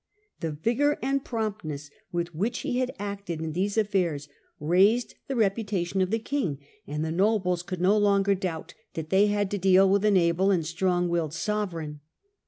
The vigour and promptness with which he had acted in these affairs raised the reputation of the king ; and the nobles could no longer doubt that they had to deal with an able and strong willed sovereign.